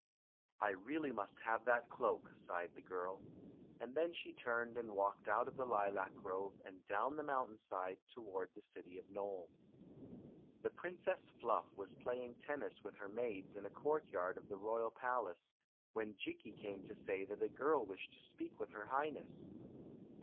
"I really must have that cloak," sighed the girl; i84 Queen Zixi of Ix; or, the and then die turned and walked out of the lilac grove and down the mountain side toward the city of Nc^e. The Princess Fluff was playing tennis with her maids in a courtyard of the royal palace, when Jikki came to say that a girl wished to speak with her Highness.